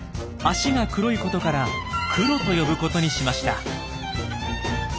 足が黒いことからクロと呼ぶことにしました。